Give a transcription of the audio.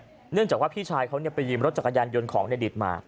เนื่องจากว่าพี่ชายเขาไปยืมรถจักรยานยนต์ของในดิตมา